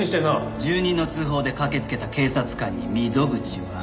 住人の通報で駆けつけた警察官に溝口は。